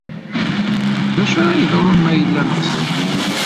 D acu ara yeḍrun ma yella nexser?